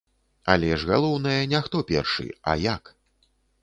Але ж галоўнае, не хто першы, а як.